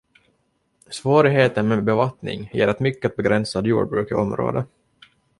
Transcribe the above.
Svårigheten med bevattning ger ett mycket begränsat jordbruk i området.